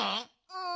うん。